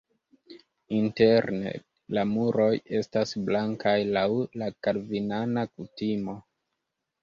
Interne la muroj estas blankaj laŭ la kalvinana kutimo.